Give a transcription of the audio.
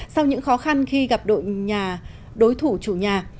sau những khó khăn khi gặp đội nhà đối thủ chủ nhà